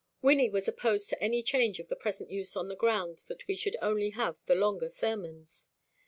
Wynnie was opposed to any change of the present use on the ground that we should only have the longer sermons.